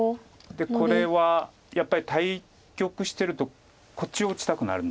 これはやっぱり対局してるとこっちを打ちたくなるんですけれども。